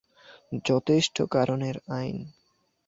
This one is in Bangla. যথেষ্ট কারণের আইন।